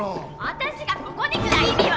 私がここに来た意味は。